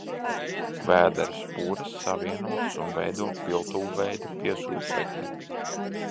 Vēdera spuras savienotas un veido piltuvveida piesūcekni.